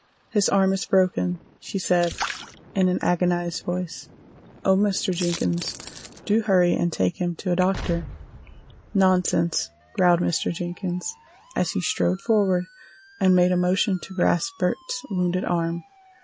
"His arm is broken," she said, in an agonized voice. "Oh, Mr. Jenkins, do hurry and take him to a doctor!" "Nonsense!" growled Mr. Jenkins, as he strode forward and made a motion to grasp Bert's wounded arm.